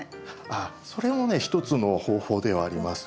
あっそれもね一つの方法ではあります。